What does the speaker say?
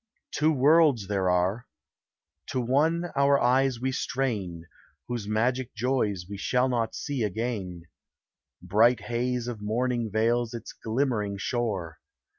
Two worlds there are. To one our eyes we strain, Whose magic joys we shall not see again; Bright haze of morning veils its glimmering shore.